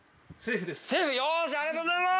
セーフよしありがとうございます！